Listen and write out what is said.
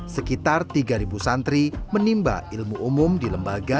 sekitar tiga santri menimba ilmu umum di lembaga